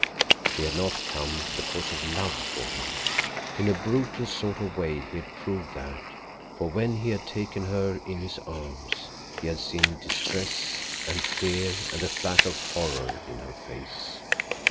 She had not come because of love for him. In a brutal sort of way he had proved that, for when he had taken her in his arms, he had seen distress and fear and a flash of horror in her face.